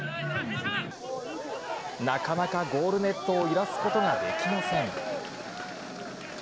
なかなかゴールネットを揺らすことができません。